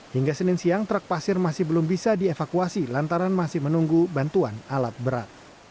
hingga senin siang truk pasir masih belum bisa dievakuasi lantaran masih menunggu bantuan alat berat